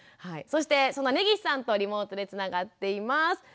そしてその根岸さんとリモートでつながっています。